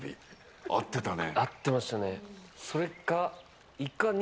合ってたね。